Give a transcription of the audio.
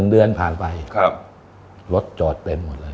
๑เดือนผ่านไปรถจอดเต็ม